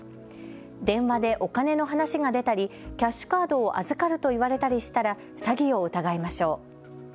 電話でお金の話が出たりキャッシュカードを預かると言われたりしたら詐欺を疑いましょう。